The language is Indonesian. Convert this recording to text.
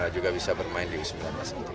juga bisa bermain di u sembilan belas